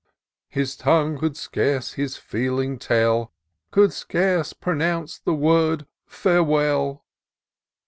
His tongue could scarce his feeling tell, Could scarce pronounce the word, " fsirewell